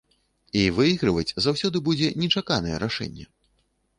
І выігрываць заўсёды будзе нечаканае рашэнне.